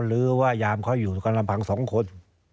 หรือว่ายามเขาอยู่กันลำพังสองคน